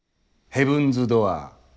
ヘブンズ・ドアー。